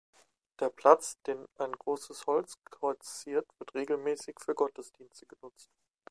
Der Platz, den ein großes Holzkreuz ziert, wird regelmäßig für Gottesdienste genutzt.